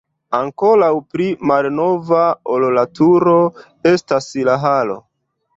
Ankoraŭ pli malnova ol la turo estas la halo.